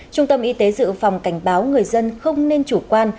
trung tâm y tế dự phòng cảnh báo người dân không nên chủ quan